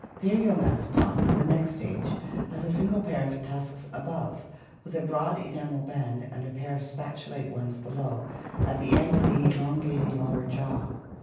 Palaomastodon, the next stage, has a single pair of tusks above, with a broad enamel band, and a pair of spatulate ones below at the end of the elongating lower jaw.